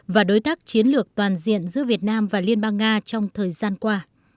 và đối tác chiến lược toàn diện giữa việt nam và liên bang nga trong thời gian qua